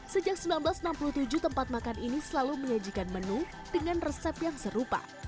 sejak seribu sembilan ratus enam puluh tujuh tempat makan ini selalu menyajikan menu dengan resep yang serupa